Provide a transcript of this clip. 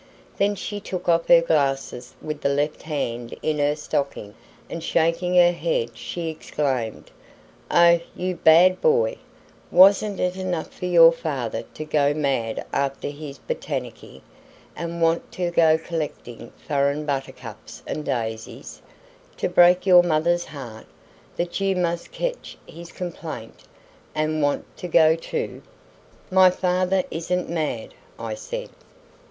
Then she took off her glasses with the left hand in the stocking, and shaking her head she exclaimed: "Oh, you bad boy; wasn't it enough for your father to go mad after his botaniky, and want to go collecting furren buttercups and daisies, to break your mother's heart, that you must ketch his complaint and want to go too?" "My father isn't mad," I said.